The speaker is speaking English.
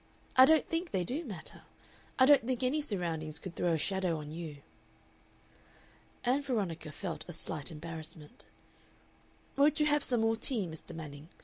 I don't think they do matter. I don't think any surroundings could throw a shadow on you." Ann Veronica felt a slight embarrassment. "Won't you have some more tea, Mr. Manning?"